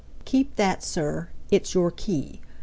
"Keep that, sir; it's your key.